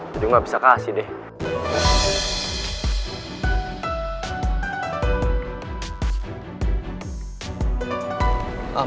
gio gak bisa kasih deh